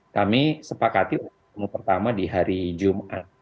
kami sepakati untuk pertama di hari jumat